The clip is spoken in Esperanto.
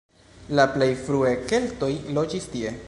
La plej frue keltoj loĝis tie.